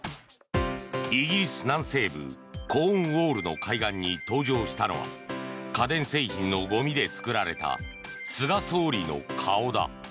イギリス南西部コーンウォールの海岸に登場したのは家電製品のゴミで作られた菅総理の顔だ。